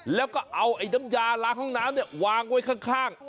แล้วก็เอาไอ้น้ำยาล้างห้องน้ำวางไว้ข้าง